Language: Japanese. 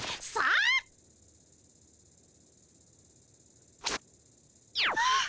あっ。